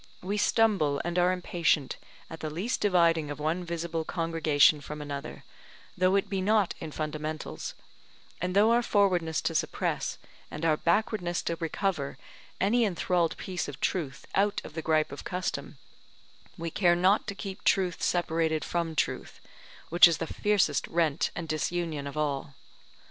We stumble and are impatient at the least dividing of one visible congregation from another, though it be not in fundamentals; and through our forwardness to suppress, and our backwardness to recover any enthralled piece of truth out of the gripe of custom, we care not to keep truth separated from truth, which is the fiercest rent and disunion of all.